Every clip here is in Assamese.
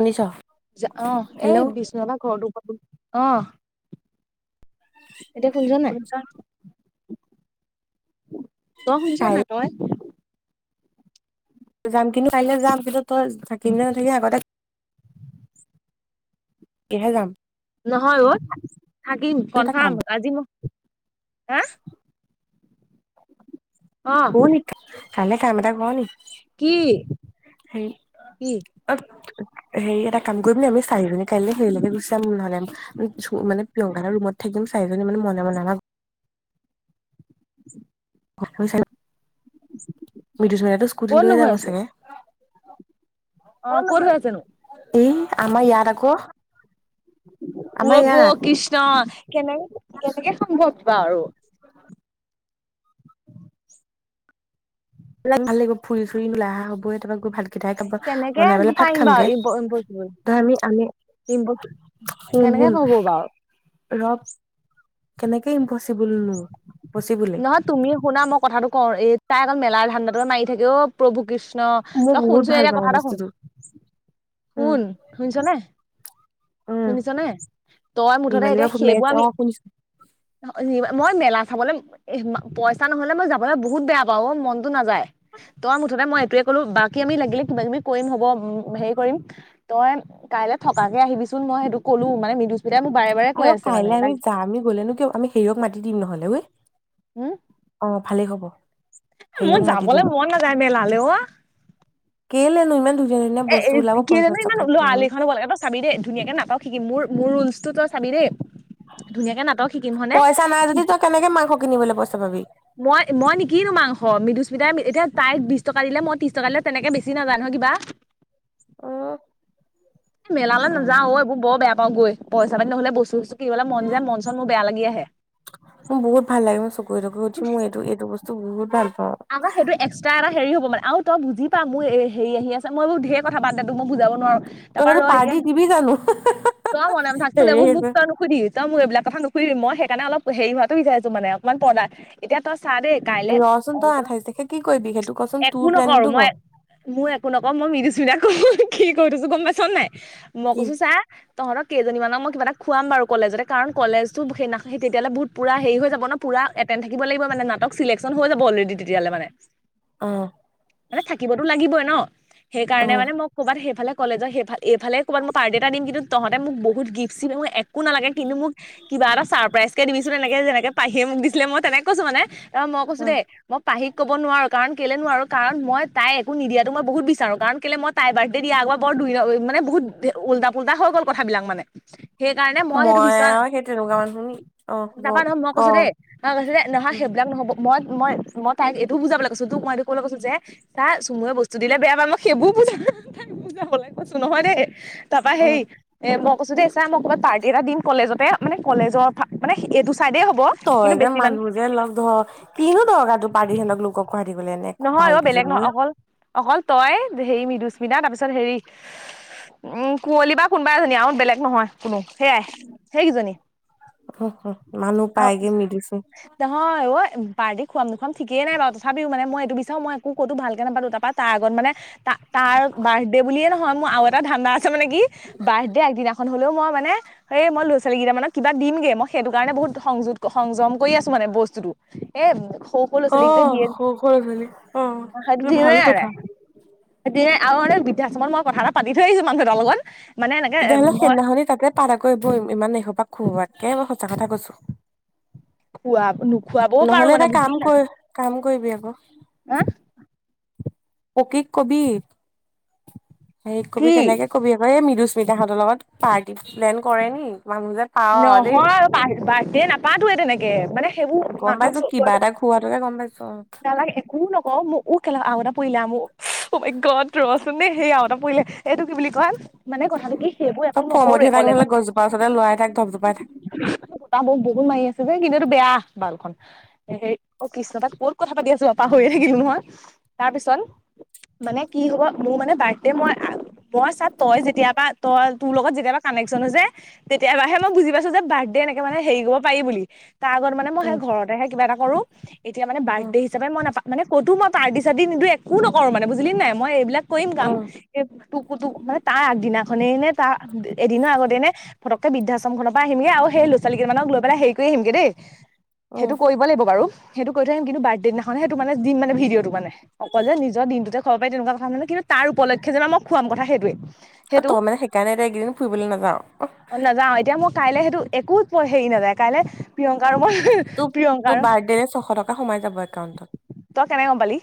শুনিছ- অহ হেল্ল' এ বিশ্ব বা ঘৰটো- অহ এতিয়া শুনিছ নাই? তই শুনিছ কাইলৈ নাই তই? যাম কিন্তু কাইলে যাম, কিন্তু তই থাকিবি নে নাথাকিবি আগতে কিহে যাম? নহয় অও---। থাকিম এটা কাম কনফাৰ্ম, আজি মই আ? । [unintelligible] কাইলে কাম এটা কৰনি? । কি, কি? অ হেৰি এটা কাম কৰিম নি, আমি চাৰিজনী কাইলৈ হেৰিলৈকে গুচি যাম নহলে, মানে চু প্ৰিয়ংকা হঁতৰ ৰুমত থাকিম চাৰিজনী মনে মনে আমাক [inaudible] [unintelligible] মৃদুস্মিতাই টো স্কুটি ক'তনো লৈয়ে হৈ যাব আছে চাগে। ক'ত নো হৈ আছে? । এহ, আমাৰ ইয়াত আক ওৱ' বৌ কৃষ্ণ, কেনে-কেনেকে সম্ভৱ বাৰু। [inaudible] ভাল লাগিব ফুৰি-ফুৰি ওলাই অহা হ'বএ তাপা গৈ ভাত ভাতকেইটাই খাব কেনেকে বনাই পেলাই পাৰিম খামগে বাৰু ইম্প-ইম্পচিবল, ধৰ আমি আমি ইম্পচ কেনেকে পাৰিব বাৰু। ৰব, কেনেকে ইম্পছি নহয় তুমি শুনা মই কথাটো কওঁ, এ, তাই অকল মেলাই ধাণ্ডাতোকে মাৰি থাকে, অ', প্ৰভু কৃষ্ণ ন, মই তই বহুত শুনছোন ভাল এতিয়া পাওঁ কথা এটা শুন। বস্তুটো উম শুন, শুনিছ নে? উম শুনিছ নে, তই মুঠতে নিৰ্মালী বা এতিয়া ফোন মাৰি সেইবোৰ আছে অ আমি, শুনিছো [unintelligible] মই মেলা চাবলৈ এহ, পইচা নহলে মই যাবলৈ বহুত বেয়া পাও অ, মনটো নাযায়। তই মুঠতে মই এইটোৱে কলো বাকী আমি লাগিলে কিবা-কিবি কৰিম হব, হেৰি কৰিম তই কাইলে থকাকে আহিবিছো চোন মই সেইটো কলো, মানে মৃদুস্ আৰু কাইলৈ আমি যাম আমি গ'লেনো কিয হব, আমি হেৰিয়ক মাতি দিম নহয় [unintelligible] উম, হেৰিয়ক মোৰ মাতি দিম যাবলৈ মন নাযায় মেলালে অ। কেলেনো ইমান ধুন এ, এই কেলেনো ইমান লৰা লৰিখন হব লাগে। তই চাবি দেই ধুনীয়াকে নাটক শিকিম মোৰ-মোৰ ৰুলছ বস্তুত চাবি দেই ধুনীয়াকে নাটক শিকিম হনে পইচা নাই যদি তই শিকি কেনেকে মাংস কিনিবলৈ পইচা পাবি মই মই নিকিনো মাংস মৃদুস্মিতাই এতিয়া তাইক বিশছ টকা দিলে মই ত্ৰিছ টকা দিলে তেনেকে বেছি নাজায় নহয় কিবা অহ এ মেলালৈ নাযাও অ এইবোৰ বৰ বেয়া পাও গৈ পইচা পাতি নহলে বস্তু চস্তু কিনিবল মন যায় মন চন মোৰ বেয়া লাগি আহে মোৰ বহুত ভাল লাগে মই চকৰি তকৰি উঠি মোৰ এইটো এইটো বস্তু বহুত আম আমাৰ সেইটো এক্সট্ৰা ট আহে হেৰি হ'ব মানে আৰু তই বুজি পা মোৰ এই হেৰি আহি আছে মই বোৰ ধেৰ কথা বাদ দে তোক মই বুজাব নোৱাৰো। তই তাপা সেইটো ৰ এতিয়া পাৰ্টি দিবি জানো তই মনে মনে থাকচোন হেৰি এইবোৰ মোক আহিছে তই নুসুধিবি তই মোক এইবিলাক কথা নু ফুৰিম মই সেইকাৰণে অল হেৰি হোৱাটো বিচাৰিছো মানে অকমান পৰ্দা এতিয়া তই চা দেই কাইলে ৰচোন তই অন্ত আঠাইশ তাৰিখে কি কৰিবি সেইটো কচোন তোৰ একো নকৰো প্লেনিংটো ক মই মোৰ একো নকৰো মই মিজিছো তাক মই কি কৰি থৈছো গম পাইছ নাই মই কি কৈছো চা তহঁতক কেইজনী মানক মই কিবা এটা খুৱাম বাৰু কলেজতে কাৰণ কলেজতো সেইদিনা তেতিয়ালে বহুত পৰা হেৰি হৈ যাব ন পুৰা এটেণ্ট থাকিব লাগিব মানে না চিলেকচন হৈ যাব বলেদি তেতিয়াহলে মানে অ মানে থাকিবতো লাগিবই ন অ সেইকাৰণে মানে মই ক'ৰবাত সেইফালে কলেজৰ সেইফাল এইফালে ক'ৰবাত মই পাৰ্টি এটা দিম কিন্তু তহঁতে মোক বহুত গিফ্ট চিফ্ট সেইবোৰ মোক একো নালাগে কিন্তু মোক কিবা এটা ছাৰপ্ৰাইজ কে দিবি চোন তেনেকে যেনেকে পাহিয়ে মোক দিছিলে মই তেনেকে কৈছো মানে অ মই কৈছো দেেই মই পাহিক ক'ব নোৱাৰো কাৰণ কেলে নোৱাৰো কাৰণ মই তাই একো নিদিয়াতো মই বহুত বিচাৰো কাৰণ কেলে মই তাই বাৰ্থডে দিয়া আগবাৰ বৰ দুই মানে বহুত উল্টা পুল্টা হৈ গ'ল কথাবিলাক মানে সেইকাৰণে মই সেইটো বিচৰা নাই আৰু সেই তেনেকুৱা মানুহ নি অ হ'ব তাপা নহয় মই ক কৈছো দেই মই কৈছো দে নহয় সেইবিলাক নহ'ব মই মই মই তাইক এইটো বুজাবলৈ কৈছো তোক মই এইটো ক'লে কৈছো যে চা চুমুৱে বস্তু দিলে বেয়া পায় মই সেইবোৰ বুজা তাইক বুজাবাই কৈছো নহয় দেই তাৰপা সেই উম এ মোক কৈছো দেই চা মই কবাত পাৰ্টি এটা দিম কলেজতে মানে কলেজৰ ফালে মানে এইটো চাইডে হ'ব তই কিন্তু যে বেছি মান মানুহ যে লগ ধৰ কিনো দৰকাৰ তোৰ পাৰি হেত লোকক গুৱাহাটীলে এনে নহয় ভাল অ বেলেগ কিজনী নহয় অকল অকল তই হে মি দুছমিতা তাৰ পিছত হেৰি উম কুঁৱলী বা কোনোবাই এজনী আৰু বেলেগ নহয় কোনো সেয়াই সেইকেজনী মানুহ আৰু পাইগে মিলিছে নহয় পাৰ্টি খোৱাম ন মন ঠিকেই নাই বাও তথাপিও মানে মই বিচাৰো মই একো ক'তো ভালকে নাপালো তাৰপা তাৰ আগত মানে তা তাৰ বাৰ্থডে বুলিয়ে নহয় মোৰ আৰু এটা ধান্ধা মানে কি বাৰ্থডে আগদিনাখন হলেও মই মানে এই মই ল'ৰা ছোৱালী কেইটা মানক কিবা দিমগে মই সেইটো কাৰণে বহুত সংযোগ সংযম কৰি আছো মানে বস্তুটো এ সৰু সৰু ল'ৰা অ', ছোৱালীক যে দিয়ে সৰু স, অ', এইটো ভাল কথা। এতিয়া আৰু এ'বৃদ্ধাশ্ৰমত মই কথা এটা পাতি থৈ আহিছোঁ মানুহ এটাৰ লগত। মানে এনেকে তেতিয়াহ'লে মই সেইদিনাখননি তাতে পাৰে গৈ বৈ ইমান এখোপা, খোৱাতকে মই সঁচা কথা কৈছো। খুৱা নোখোৱাবও নহ'লে পাৰো এটা মানে কাম বুজিলা কৰি কাম কৰিবি আকৌ হা, পকিক কবি? হেৰি কবি কি তেনেকে কবি আকৌ এই মৃদুচ, পিতাহঁতৰ লগত পাৰ্টি প্লেন কৰে নি? মানুহ যে পাৱ দেই নহয় আৰু বাৰ্থদে নাপাতোয়ে তেনেকে মানে সেইবোৰ গম মানুহক পাইছো চ, কিবা এটা খুওৱাটোকে গম পাইছো অ ' নালাগে একো নকওঁ মোক উঠ, কেলা আৰু এটা পৰিলে আমু অহ, - মাই - গড, ৰচোন দেই সেই আওতটা পৰিলে এইটো কি বুলি কয়? মানে কথাটো কি সেইবোৰ একো তব ফমঠি নকৰোৱে থাক নহ'লে কলেজত গছজোপা ওচৰতে লৰাই থাক। ধপধপাই থাক বতাহ বহুত -বহুত মাৰি আছে যে, কিন্তু এইটো বেয়া বাল খন, অ 'কৃষ্ণ তাত ক'ত কথা পাতি আছো পাহৰিয়ে থাকিলো নহয় ।তাৰ পিছত মানে কি হ'ব মোৰ মানে বাৰ্থডে মই -মই চা', তই যেতিয়াবা তই তোৰ লগত যেতিয়াৰ কানেকচন হৈছে তেতিয়াবা হে, মই বুজি পাইছো যে বাৰ্থডে এনেকে হেৰি কৰিব পাৰি বুলি। তাৰ আগত মানে উম ঘৰতেহে কিবা এটা কৰো। [unintelligible] এতিয়া মানে উম বাৰ্থডে হিচাপ মই নাপ, 'মানে ক'তো মই, পাৰ্টি - চাৰটি নিদো, একো নকৰো মানে বুজিলি নাই মই এইবিলাক, কৰিম গাম। উম তোক অ' তোক মানে তাৰ আগ, ' আগ দিনাখনেই নে তাৰ এদিনৰ আগতে নে', পতক্কে বিদ্ধাশ্ৰম, শ্ৰম খনৰ পে আহিম গৈ সেই ল'ৰা -ছোৱালী কেই মানক লৈ পেলাই হেৰি কৰি আনিমগে দেই। উম সেইটো কৰিব লাগিব বাৰু। সেইটো কৰি থৈ আহিম কিন্তু বাৰ্থডে দিনাখনে তোমালোকক দিম মানে ভিডিঅ'টো মানে, অকলে নিজৰ দিনতুতে খাব পাৰি তেনেকোৱা কথা মানে কিন্তু তাৰ উপলক্ষে যে মই খুৱাম কথা সেইটোৱে। অ ', তই মানে সেইকাৰণে এতিয়া এইকেইদিন ফুৰিবলৈ নাযাও? অহ ', নাযাওঁ এতিয়া মোক, কাইলৈ সেইটো একো হেৰি নাযায় কাইলৈ প্ৰিয়ংকা মই, তোক প্ৰিয়ংকা -তোক আৰু বাৰ্থডেৰ ছশ টকা সোমাই যাব, একাউণ্টত। তই কেনেকে গম পালি?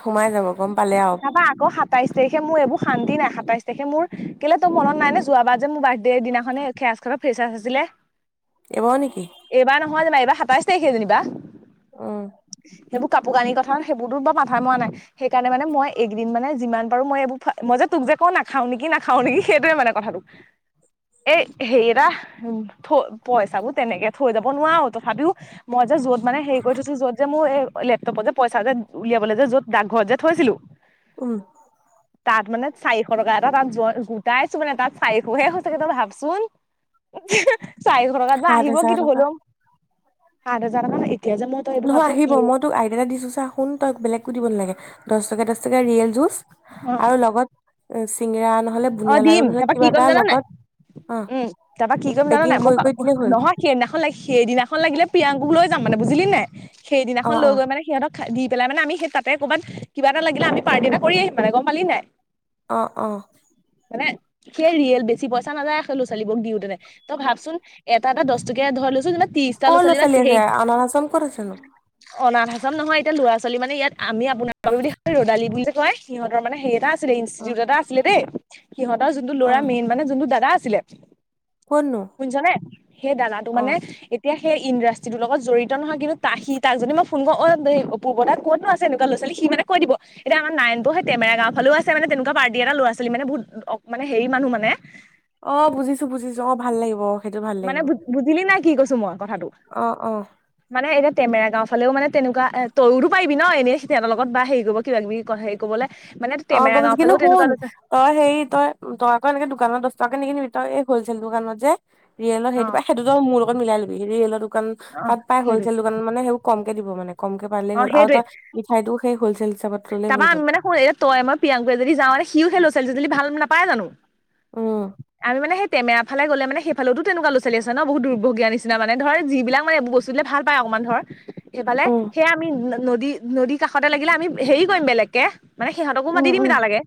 সোমাই যাব। গম পালে আৰু তাৰাপা আকৌ সাতাইছ তাৰিখে মোৰ এইবোৰ শান্তি নাই সাতাইছ তেখে মোৰ কেলে তোৰ মনত নাই নে যোৱাবাৰ যে মোৰ বাৰ্থডেৰ দিনানে খেজ খ ফেচ আছিলে এইবাৰো নেকি এইবাৰ নহোৱা জাবা এইবাৰ সাতাইছ তাৰিখে যেনিবা আহ সেইোৰ কোৰ কানি কথা নে সেইবোৰতো বা মাথা মৰা নাই সকাৰণে মানে মই এইকদিন মানে যিমান পাৰো মই এইবোৰ মই যে তোক যে ক নাখাও নেকি নাখাও নেকি সেইটোৱে মানে কথাটো এই হে এটা পইচাবোৰ তেনেকে থৈ যাব নোৱাৰাো তথাপিও মই যে যত মানে হেৰি কৰি থৈছো যত যে মোৰ এই লেপটপত যে পইচা যে উলিয়াবলৈ যে য'ত ডাকঘৰত যে থৈছিলো উম তাত মানে চাৰিশ টকা এটা তাত গোটাইছো মানে তাত চাৰিশয়ে হৈছে কিেই ত ভাবচোন চাৰিশ কাত ন সাত আহিব হাজাৰ কিন্তু টকা হ'লোম জ মান নহয় আহিব মই তোক আইদিয়া এটা দিছো চা শুন তইক বেলেগ কো দিব নালাগে দহ টকা দচ টকা ৰিয়েল জুচ অ আৰু লগত আ অ দিম তাৰপা কি কৰিম জানা নাই লগত অ উম তাৰপা কি কৰিম জানা পেকিং নাই কৰি কৰি দিলেই মই হ'ল নহয় সেইদিনাখন ল সেইদিনাখন লাগিলে প্ৰিয়াংকৈ যাম মানে বুজিলি নাই অ সেইদিনাখন অ লৈ গৈ মানে সিহঁতক দি পেলাই মানে আমি স ততে'ৰবাত কিবা এটা লাগিলে আ পাৰ্টি এটা কৰি আহি মানে গম পালি নাই অ অ মানে সেই ৰিয়েল বেছি পইচ নাযায় আ ল'ৰা ছালীবক দিও তেনে তই ভাবচোন এটা এটা দহ টকে ধৰি লৈছো যে কৰ লৰা ছোৱালী আছে আনাচ আচৰম কত আছে নো অনাথাম নহয় এতিয়া ল'ৰা ছোৱী মানে ইয়াত আমি আপোনাৰোক ৰদালি বুলি সিহঁতৰ মানে সেই এটা অ ইঞ্চষ্টিটিউতটা এ সিহঁতৰোনটো অ ল'ৰা মেইন মানে যোনটো দাদা আছে চিলে ক'তনো শুনছানে সেই দাদাটো অ মানে এতিয়া সেই ইণ্ডাষ্ট্ৰিৰ লগ জড়িত নহয় কিন্তু ত সি তাক যদি মই ফোন কৰ অল এই পূৰ্বত কত আছে এনেুৱ লৰা ছোৱাল সি মানে দ এতিয়া আমাৰ নাইনটো সটমে গাঁও ফালও আছে মানে তেনেুৱা এটা ল'ৰা ছোৱালী মানে বহুত অ মানে হেৰি মানুহ মানে অ বুজিছো বুজিছো অ ভাল লাগিব সেইটো ভাল মানে লাগিব বুজিলি নাই কি কৈছো মই কথাটো অ অ মানে এতিয়া টমেৰা গাঁও ফালেও মানে তেনেকোৱা এ তও পাৰি ন এনে সিহতৰ লগত হেৰি কৰিব কিবা কিবি ক হেৰি কৰিবলে মানে অ টেমেৰা গম গাঁও পাইছোঁ কিন্তু ফালেও তেনেকুৱা শুন লৈছে তই হেৰি তই তই অই এনেক দোকান দহ টকাে কিনিবি তই এই হলছেল দোকানত যে ৰিয়েলৰ অ সেইটো সেইটোতো মোৰ লগত মিলাই ল'বি ৰিয়েলৰ দোকান অ তাত পাই সেইটো হ'লচেল দোকান মানে সেইবোৰ কম দিব মানে কমকে পাৰিলেই হ'ল আৰু তই মিঠাইতো খ তাৰমান মানে শু তই মই প্ৰিয়ংক এ যদি যা মানে সিও খেলো ছোৱালী যদি ভাল নাপায় জানো উম আৰু মানে সেই টমেৰা ফালে গ'লে মানেেইালেতো তেনেুৱা ল' ছোৱালী আছে ন বহুত দুৰ্ভগীয়া নিচিনা মানে ধৰ যিবিলাক মানে বস্তু দে ভাল পায় অকণমান ধৰ স এইফালে উম সে আমি নদী নদীৰ কাষতে লাগিলে আমি হেৰি কৰিম বেলেগকে মানে সিহঁতকো উম মাতি দিম উম তালাগে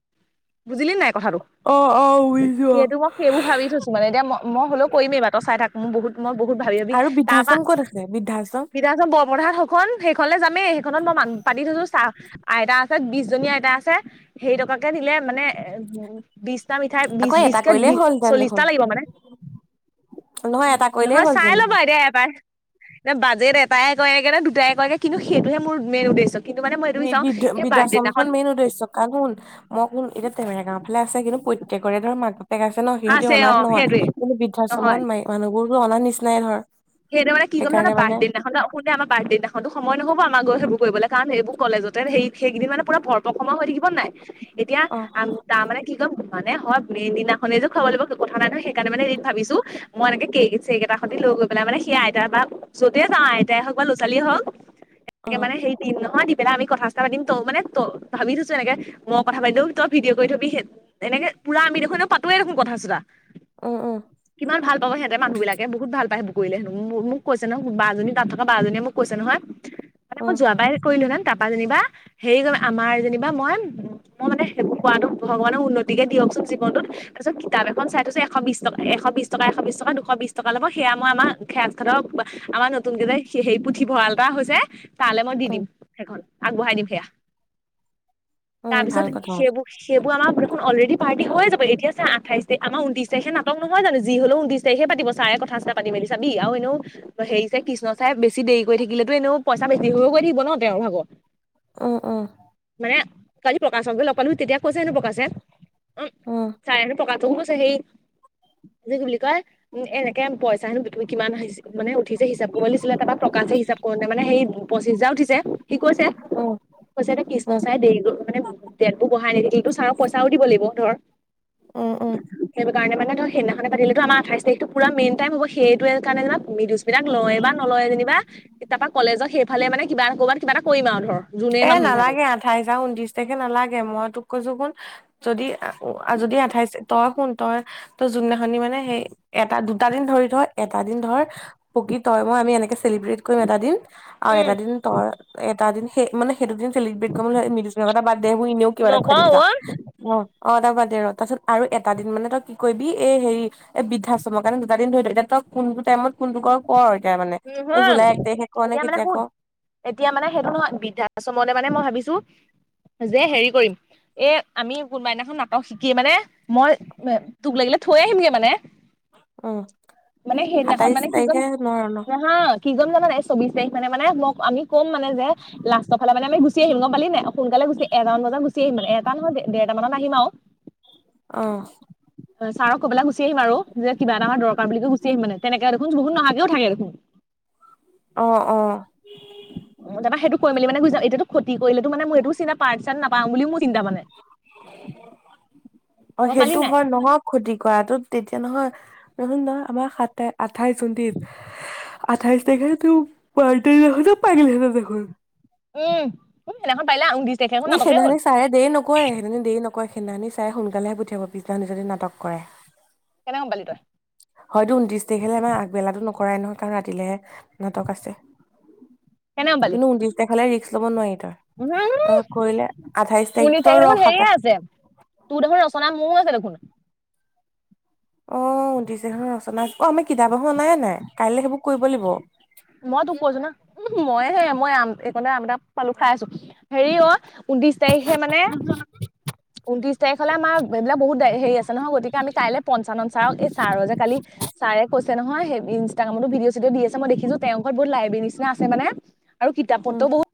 বুজিলিে নাই কথাটো অ অ বুজিছো অ সেইটো মই সেইবোৰ ভাবি থৈছো মানে এতিয়া মই মই হ'লেও কৰিমেই বাটৰ চাই থাক মোৰ বহুত মই বহত ভাবি বাবি আৰু তাৰ পৰা বৃদ্ধাশ্ৰম ক'ত আছে বৃদ্ধাশ্ৰম বিৰা বঢ়াত সখন শেষলে য সেইখনত মই মান পাতি থৈছো চাহ আ বিশজনীয়া এটা আছে সেই টকাকে দিলে মানে এ বিশটা মিঠাই আকৌ বিশ এটা বিস্কেট কৰিলেই বি হ'লহেতেন চল্লিশটা দেখোন লাগিব মানে নহয় এটা কৰিলেই নহয় হ'লহেতেন চাই দেখোন। ল'বা এতিয়া এবাৰ নে বাজেট এটাই কৰেয় নগে নে দুটাই কয়গে কিন্তু সেইটোহে মোৰ মেইন উদ্দেশ্য কিন্তু মানে মই এইটো বিচাৰো বিধ সেই বিধ্য বাৰ্থডে সমন দিনাখন মেন ৰৰেছ চ কাগন মইন এতিয়া টেঙাগাও ফালে আছে কিন্তু প্ৰত্যেকৰে ধৰ মাক বেকাইছে ন সিহঁতি আছে অ অনাত নহয় সেইটোৱে কিন্তু বৃদ্ধাশ্ৰমত নহয় ম মানুহবোৰ ত অনা নিচিনাই ধৰ সেইটো মানে কমান সেইকাৰণে মানে বাৰ্থদে দিনাখন ন আ বাৰ্থডনাখনতো খাব নহ আম লৰা ছোৱালী বোৰে কৰিবলে কাৰণ সেইবোৰ কলেজতে সেই সেইকিনি মানে পুৰা ভৰপ সময় হৈ থাকিব নাই অ এতিয়াম তাৰ মানে কি ক'ম মানে হয় মেইন দিনানে যে খুৱাব লাগিব কথা নাই নহ সেইকাৰোনে এদিন ভাবিছো মই এনেকে কে চেক এটাতে লৈ গৈ বলে মানে সেই আইতাৰ বা য'তে যাওঁ আইতাই হওক বা ল'ৰা ছালীয়ে হওক অ তেনেকে মানে সেই তিন নহয় তেনে আমি কথা চথা পাতিম ত মানে ত ভাবি থৈছো এনেকে মই কথা পাতিলেও তই ভিডিঅ কৰি থবি এনেকে পুৰা আমি দেখোন ই পাতোৱে দেখোন কথা চথা উম উম কিমান ভাল পাব সিহঁতে মানুহ বিলাকে বহুত ভাল পায় সেইবোৰ কৰিলে হেনো মো মোক কৈছে নহয় কোনোবা বা এজনী তাত থকা বা এজনীয়ে মোক কৈছে নহয় মানে মই উম যোৱাবাৰ কৰিলো না তাৰপা যেনিবা হেৰি কৰিব আমাৰ যেনিবা মই উ মে সেইবোৰ কোৱাতো ভগৱানে উন্নতি কে দিয়কচোন জীৱনত তাৰপিছত কিতাপ এখন চাই থৈছোঁ এশ বিশ টকা এশ বিশ টকা এশ বিশ টকা দুশ বিশ টকা ল'ব সেয়া মই আমাৰ [unintelligible] খাতৰ আমাৰ নতুনকে এটা সে সেই পুথিভঁৰাল এটা হৈছে তালে মই দি দিম উম সেইখন আগবঢ়াই দিম সেয়া উম তাৰপিছত ভাল কথা সেইবোৰ সেইবোৰ আমাক দেখোন অলৰেডি পাৰ্টি হৈ যাব এতিয়া আঠাই তাৰখ আমাৰ উনত্ৰিশ তাৰিখে নাটক নহয় জানো যি হলেও উনত্ৰিশ তাৰিখে পাতিব চাৰে কথা চথা পাতি মেলি চাবি আৰু এনেও হেৰি চাই কৃষ্ণ চাই বেছি দেৰি কৰি থাকিলেতো এনেও পইচা বেছি হৈ গৈ থাকিব ন তেওঁৰ ভাগৰ উম উম মানে কালি প্ৰকাশকো লগ পালো তেতিয়া কৈছে নো প্ৰকাশে উম চাই হেনো পকাটো গৈছে সেই কি বুলি কয় উ এনেকে পইচা হেনো তুমি কিমান হৈছে মানে উঠিছে হিচাপ কৰিব দিছিলে তাপা প্ৰকাশে হিচাপ কৰোতে মানে হেৰি পচিছ হাজাৰ উঠিছে। কি কৈছে উম কৈছে এতো কৃষ্ণ উম চাই দেৰি ক মানে দিয়াতো বঢ়াই নিদিবি কিন্তু চাৰক পইচাও দিব লাগিব ধৰ উ উ সেইটো কাৰণে মানে ধৰ সেইদিনাখনে পতিলেতো আমাৰ আঠাই তাৰিখটো পোৰা মেইন টাইম হব সেই ট কাৰণে যেনিবা মৃদুস্মিতাক লয় বা নলয় যেনিবা তাৰাপা কলেজত সেইফালে মানে কিবা এটা ক'ৰবাত কিবা এটা কৰিম আৰু ধৰ যোনেই এ মানুহ নাথাকক নালাগে আঠাইছ আৰু উনত্ৰিশ তাৰিখে নালাগে মই তোক কৈছো কুন যদি যদি আঠাইছ তই শুন তই তই যোনদিনাখনি মানে সেই এটা দুটা দিন ধৰি তই এটা দিন ধৰ পকি তই মই আমি এনেকে চেলিব্ৰেট কৰিম এটা দিন আৰু উম এটা দিন ত এটা দিন সেই মানে সেইটোদিন চেলিব্ৰেট কৰিব নালাগে মৃদুস্মিতা কথা বাদ দে এনেও কিবা এটা খুৱাই নকওঁ দিবি যা অ' অ' তাৰ বাদে ৰ তাৰপিছত আৰু এটা দিন মানে তই কি কৰিবি এই হেৰি এই বৃদ্ধাশ্ৰমৰ কাৰণে দুটা দিন ধৰি থ, এতিয়া তই কোনটো টাইমত কোনটো কৰ কৰ। এতিয়া মানে তই জুলাই এক তাৰিখে [unintelligible] কৰ নে এতিয়া মানে কেতিয়া শুন কৰ এতিয়া মানে সেইটো নহয় বৃদ্ধা তাচত মানে মই ভাবিছো যে, হেৰি কৰিম এ আমি কোনোবা এদিনাখন নাটক শিকি মানে মই তোক লাগিলে থৈ আহিমগে মানে উম' সাতাইশ তাৰিখে নোৱাৰ নহয় কি কৰিম জান নাই চৌবিশ তাৰিখ মানে মানে মই আমি কম মানে যে লাষ্টৰফালে মানে আমি গুচি আহিম গম পালিন নাই সোনকালে গুছি এটা মান বজাত গুচি আহিম, এটা নহয় দেৰটা মানত আহিম আৰু অঁ চাৰক কৈ পেলাই গুচি আহিম আৰু যে কিবা এটা আমাৰ দৰকাৰ বুলি কৈ গুচি আহিম মানে তেনেকে দেখোন বহুত নহাকেও থাকে। উ' অ' অ'। তাৰপৰা সেইটো কৰি মেলি মানে গুচি যাম, এইটো খতি কৰিলেটো মানে মোৰ এইটো চিন্তা পাৰ্ত চাৰ্ট নাপাম বুলি ম অ' গম পালি সেইটো নাই হয় নহওঁক খতি কৰাটো তেতিয়া নহয় নচুোন নহয় আমাৰ সাতাই আঠাইশ জণ্টিত আঠাইশ তাৰিখে ত পখ পাইাগিলেহেতে দেখোন [unintelligible] উম উম‌ সেইদিনাখন পাৰিলে ই সেইদিনাখনি ছাৰে দেৰি নকৰে, সেইদিনা দেৰি নকৰে। সিইদিনা খনি ছাৰে সোনকালেহে পঠিয়াব পিছদিনা খনি যদি নাটক কৰাই কেনেকে গম পালি তই? হয়তো ঊনত্ৰিশ তাৰিখে আমাৰ আগবেলাটো নকৰাই নহয় কাৰণ ৰাতিলেহে নাটক আছে। কেনে গম পালি? কিন্তু ঊনত্ৰিশ তাৰিখলে ৰিস্ক ল'ব নোৱাৰি তই উ' তই উনত্ৰিশ কৰিলে আঠাইশ তাৰিখ তই তাইখে ৰ দেখোন হেৰিয়ে সাতাইশ আছে, তোৰ দেখোন ৰচনা মোৰ আছে। ৰাখ অ' উনত্ৰিশ তাৰিখলে ৰচনা আছে, অ' আমি কিতাপ দেখোন অনাই নাই, কাইলৈ সেইবোৰ কৰিব লাগিব। মই তোক কৈছো নহয়, উ' মইহে মই আম এইকনতে আম এটা পালো খাই আছো, হেৰি অ' ঊনত্ৰিশ তাৰিখে মানে, ঊনত্ৰিশ তাৰিখ হ'লে আমাৰ এইবিলাক বহুত [unintelligible] হেৰি আছে নহয় গতিকে আমি কাইলে পঞ্চানন ছাৰক, এই ছাৰৰ যে কালি, ছাৰে কৈছিল নহয় ইনষ্টাগ্ৰামত ভিডিঅ' চিদিঅ' আছে মই দেখিছোঁ। আৰু কিতাপ উম পত্ৰও বহুত